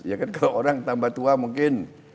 ya kan kalau orang tambah tua mungkin